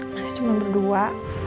masih cuma berdua